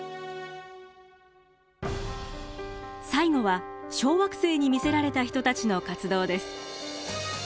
最後は小惑星に魅せられた人たちの活動です。